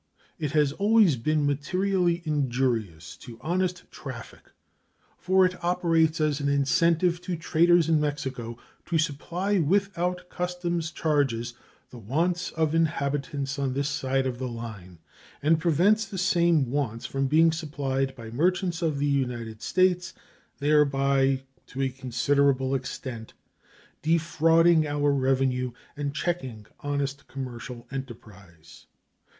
It has always been materially injurious to honest traffic, for it operates as an incentive to traders in Mexico to supply without customs charges the wants of inhabitants on this side of the line, and prevents the same wants from being supplied by merchants of the United States, thereby to a considerable extent defrauding our revenue and checking honest commercial enterprise.